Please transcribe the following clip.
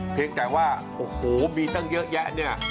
เพียงแต่ว่าโอ้โหมีตั้งเยอะแยะเนี่ย